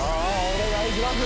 お願いします！